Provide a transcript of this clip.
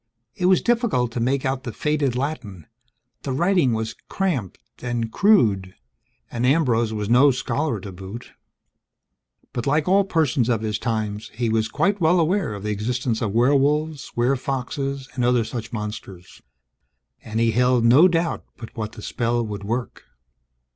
It was difficult to make out the faded Latin; the writing was cramped and crude, and Ambrose was no scholar to boot. But like all persons of his times, he was quite well aware of the existence of werewolves, werefoxes, and other such monsters; and he held no doubt but what the spell would work.